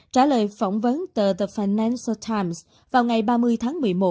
trả lời phỏng vấn tờ the financial times vào ngày ba mươi tháng một mươi một